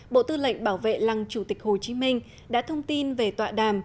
bộ tư lệnh bảo vệ lăng chủ tịch hồ chí minh đã thông tin về tọa đàm